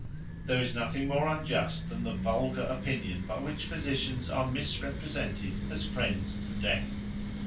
There is nothing more unjust than the vulgar opinion, by which physicians are misrepresented, as friends to death.